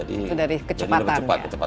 itu dari kecepatannya